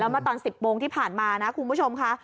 เมื่อตอน๑๐โมงที่ผ่านมานะคุณผู้ชมค่ะ